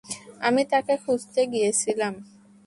আমি তাকে খুঁজতে গিয়েছিলাম।